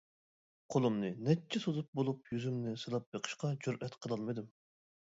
قولۇمنى نەچچە سوزۇپ بولۇپ يۈزۈمنى سىلاپ بېقىشقا جۈرئەت قىلالمىدىم.